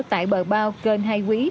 tại bờ bao kênh hai quý